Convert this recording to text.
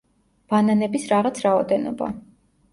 ბანანების რაღაც რაოდენობა.